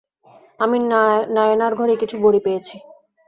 আমি নায়নার ঘরে কিছু বড়ি পেয়েছি।